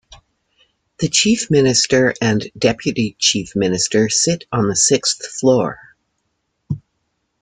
The Chief Minister and Deputy Chief Minister sit on the sixth floor.